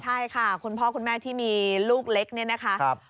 ใช่ค่ะคุณพ่อคุณแม่ที่มีลูกเล็กเนี่ยนะคะ